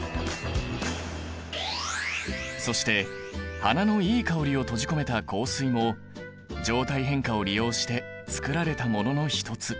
そして花のいい香りを閉じ込めた香水も状態変化を利用して作られたものの一つ。